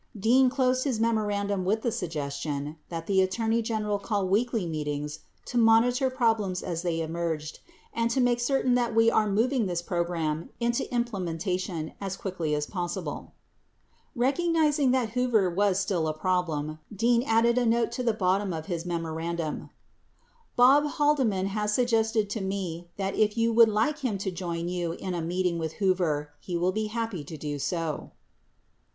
Dean closed his memorandum with the suggestion that the Attorney Gen eral call weekly meetings to monitor problems as they emerged and "to make certain that we are moving this program into implementation as quickly as possible.''' 1 34 [emphasis added] Recognizing that Hoover was still a problem, Dean added a note to the bottom of his memoran dum : "Bob Haldeman has suggested to me that if you would like him to join you in a meeting with Hoover he will be happy to do so."